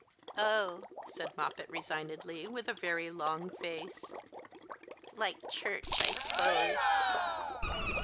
" Oh," said Moppet, resignedly, with a very long face, " like church, I s'pose."